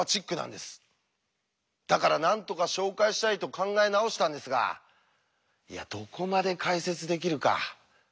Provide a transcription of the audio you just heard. だからなんとか紹介したいと考え直したんですがいやどこまで解説できるか。